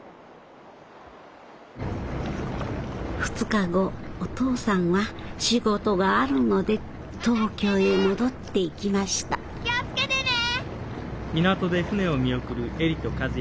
２日後お父さんは仕事があるので東京へ戻っていきました気をつけてね！